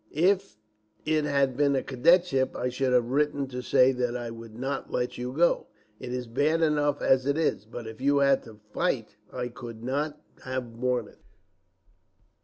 "If it had been a cadetship, I should have written to say that I would not let you go. It is bad enough as it is; but if you had had to fight, I could not have borne it."